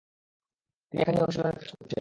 তিনি এখানেই অনুশীলনের কাজ করছেন।